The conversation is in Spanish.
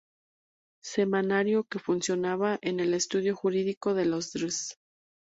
Semanario que funcionaba en el Estudio Jurídico de los Dres.